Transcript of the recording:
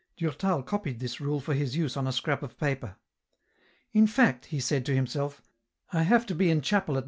Durtal copied this rule for his use on a scrap of paper. " In fact," he said to himself, " I have to be in chapel at 9.